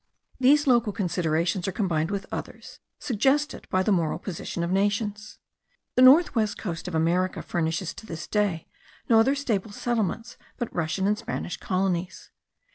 These local considerations are combined with others, suggested by the moral position of nations. The north west coast of America furnishes to this day no other stable settlements but Russian and Spanish colonies.